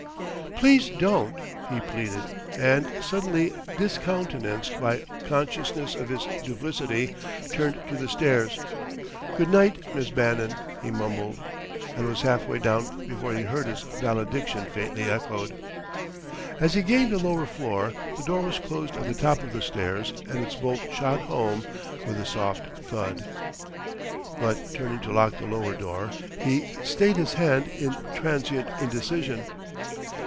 "Please don't!" he pleaded and, suddenly discountenanced by consciousness of his duplicity, turned to the stairs. "Good night, Miss Bannon," he mumbled; and was half way down before he heard his valediction faintly echoed. As he gained the lower floor, the door was closed at the top of the stairs and its bolt shot home with a soft thud. But turning to lock the lower door, he stayed his hand in transient indecision.